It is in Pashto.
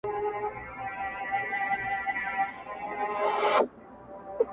پک نه پر سر تار لري، نه په غوړو کار لري.